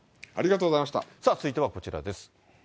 続いてはこちらです。